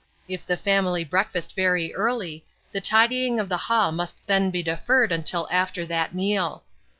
If the family breakfast very early, the tidying of the hall must then be deferred till after that meal.